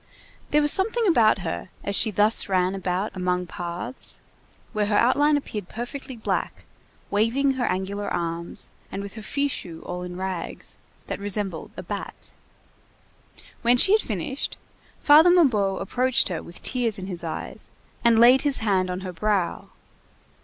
There was something about her, as she thus ran about among paths, where her outline appeared perfectly black, waving her angular arms, and with her fichu all in rags, that resembled a bat. When she had finished, Father Mabeuf approached her with tears in his eyes, and laid his hand on her brow.